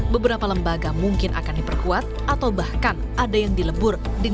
beberapa lembaga mungkin akan diperkuat atau bahkan ada yang dilebur